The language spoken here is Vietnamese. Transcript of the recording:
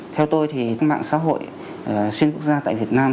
theo tôi thì mạng xã hội xuyên quốc gia tại việt nam